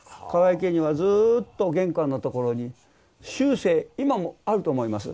河井家にはずっと玄関のところに終生今もあると思います。